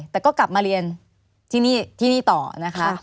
แต่ก็กลับมาเรียนที่นี่ต่อนะคะ